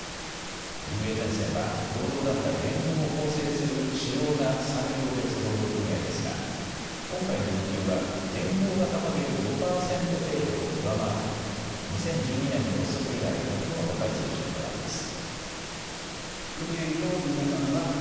ゼンセンは労働団体連合を構成する主要な産業別労働組合ですが今回の要求は連合が掲げる５％程度を上回り２０１２年の発足以来、最も高い水準となります。